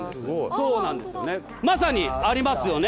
そうなんですよねまさにありますよね。